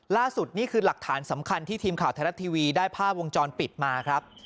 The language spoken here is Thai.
ล่าสุดนี่คือหลักฐานสำคัญที่ทีมข่าวไทยรัฐทีวีได้ภาพวงจรปิดมาครับ